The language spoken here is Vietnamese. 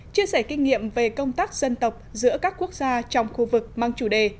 chia sẻ kinh nghiệm về công tác dân tộc giữa các quốc gia trong khu vực mang chủ đề